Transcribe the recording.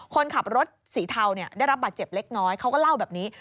คนขับรถสีเทาได้รับบาดเจ็บเล็กน้อยเขาก็เล่าแบบนี้